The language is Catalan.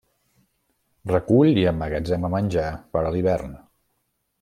Recull i emmagatzema menjar per a l'hivern.